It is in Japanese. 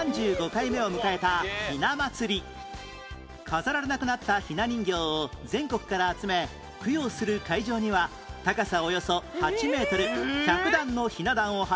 飾られなくなったひな人形を全国から集め供養する会場には高さおよそ８メートル１００段のひな壇を始め